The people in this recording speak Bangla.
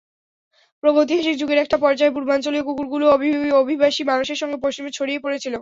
প্রাগৈতিহাসিক যুগের একটা পর্যায়ে পূর্বাঞ্চলীয় কুকুরগুলো অভিবাসী মানুষের সঙ্গে পশ্চিমে ছড়িয়ে পড়েছিল।